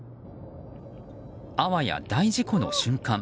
あわや大事故の瞬間。